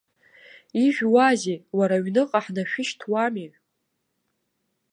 Ижәуазеи, уара, аҩныҟа ҳнашәышьҭуамеи.